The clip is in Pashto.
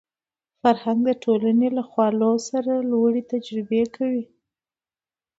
فرهنګ د ټولنې له خوالو سره لوړې تجربه کوي